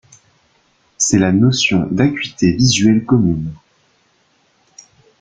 C’est la notion d’acuité visuelle commune.